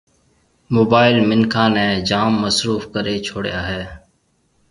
موبائل منکان نيَ جام مصروف ڪرَي ڇوڙيا ھيََََ